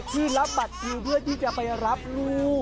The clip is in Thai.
ที่รับบัตรคิวเพื่อที่จะไปรับลูก